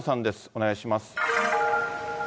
お願いします。